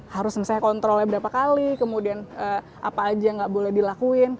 harus misalnya kontrolnya berapa kali kemudian apa aja nggak boleh dilakuin